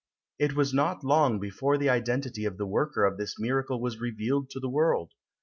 It was not long before the identity of the worker of this miracle was revealed to the world.